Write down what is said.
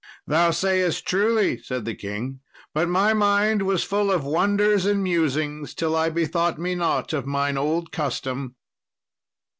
"Thou sayest truly," said the king, "but my mind was full of wonders and musings, till I bethought me not of mine old custom."